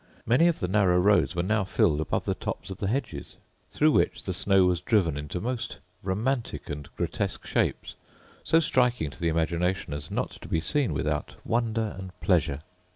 Many of the narrow roads were now filled above the tops of the hedges; through which the snow was driven into most romantic and grotesque shapes, so striking to the imagination as not to be seen without wonder and pleasure.